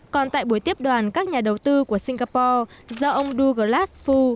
còn tại buổi tiếp đoàn các nhà đầu tư của singapore do ông douglas fu